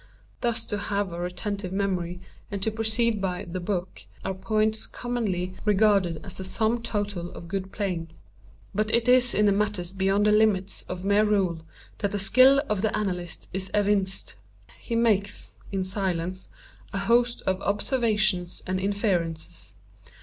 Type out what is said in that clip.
Thus to have a retentive memory, and to proceed by "the book," are points commonly regarded as the sum total of good playing. But it is in matters beyond the limits of mere rule that the skill of the analyst is evinced. He makes, in silence, a host of observations and inferences.